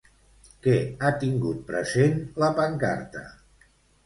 Què ha tingut present la pancarta?